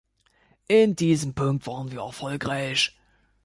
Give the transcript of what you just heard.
In diesem Punkt waren wir erfolgreich.